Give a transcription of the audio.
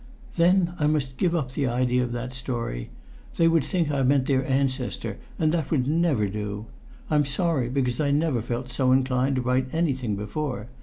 "Then I must give up the idea of that story. They would think I meant their ancestor, and that would never do. I'm sorry, because I never felt so inclined to write anything before.